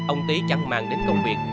ông tý chẳng mang đến công việc